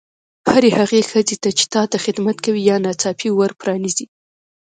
هرې هغې ښځې ته چې تا ته خدمت کوي یا ناڅاپي ور پرانیزي.